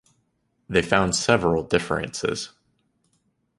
They found several differences.